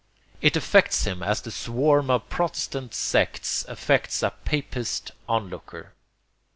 It affects him as the swarm of protestant sects affects a papist onlooker.